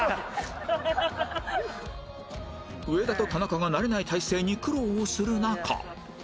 上田と田中が慣れない体勢に苦労をする中